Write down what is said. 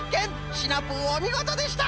シナプーおみごとでした！